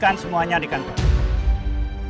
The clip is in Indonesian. jelaskan semuanya di kantor